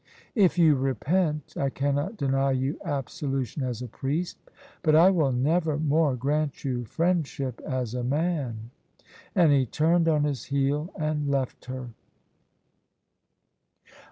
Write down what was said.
If you repent, I cannot deny you absolution as a priest: but I will never more grant you friendship as a man." And he turned on his heel and left her.